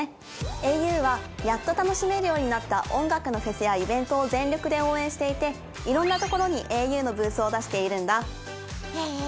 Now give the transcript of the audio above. ａｕはやっと楽しめるようになった音楽のフェスやイベントを全力で応援していていろんなところにａｕのブースを出しているんだへえ